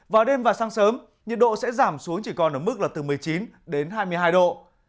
vào đêm và sáng sớm nhiệt độ sẽ giảm xuống chỉ còn ở mức là từ một mươi chín đến hai mươi hai độ